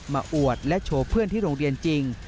อวดและโชว์เพื่อนที่โรงเรียนจริง